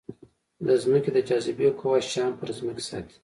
د ځمکې د جاذبې قوه شیان پر ځمکې ساتي.